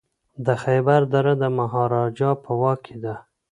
د خیبر دره د مهاراجا په واک کي ده.